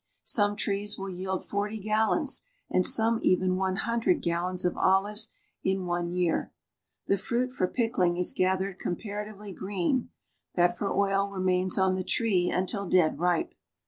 Some trees will yield forty gallons, and some even one hundred gall<i)i.s of olives in one year. The fruit for pic kling is gathered comparatively green ; that for oil remains on the tree until dead ripe.